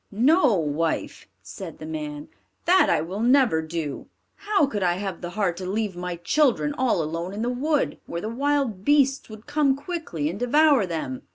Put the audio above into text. "No, wife," said the man, "that I will never do. How could I have the heart to leave my children all alone in the wood, where the wild beasts would come quickly and devour them?"